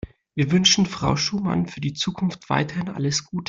Wir wünschen Frau Schumann für die Zukunft weiterhin alles Gute.